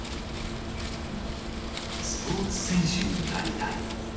スポーツ選手になりたい。